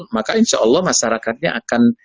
maka insya allah masyarakatnya akan